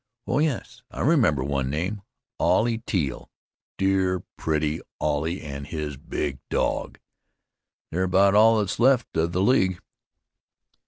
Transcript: Oh, yes! I remember one name: Ollie Teall; dear, pretty Ollie and his big dog. They're about all that's left of the League.